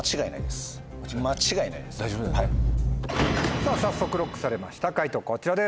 さぁ早速ＬＯＣＫされました解答こちらです。